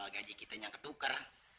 gaji kita yang ketuker